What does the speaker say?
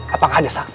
apakah ada saksi